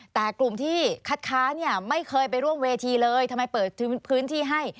แต่กลุ่มที่คัดค้าเนี่ยไม่เคยไปร่วมเวทีเลยทำไมเปิดพื้นที่ให้